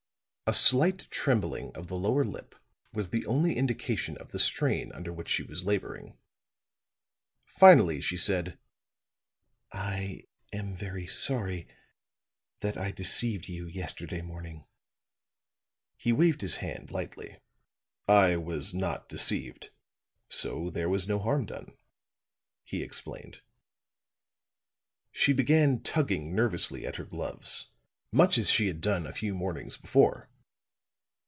A slight trembling of the lower lip was the only indication of the strain under which she was laboring. Finally she said: "I am very sorry that I deceived you yesterday morning." He waved his hand lightly. "I was not deceived; so there was no harm done," he explained. She began tugging nervously at her gloves, much as she had done a few mornings before.